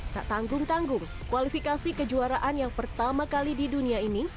tak tanggung tanggung kualifikasi kejuaraan yang pertama kali di dunia ini